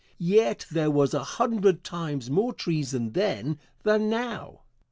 Yet there was a hundred times more treason then than now.